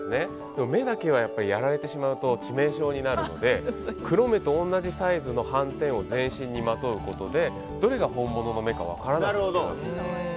でも目だけはやられてしまうと致命傷になるので黒目と同じサイズの斑点を全身にまとうことでどれが本物の目か分からないんです。